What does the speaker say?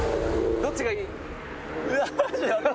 どっちがいい！？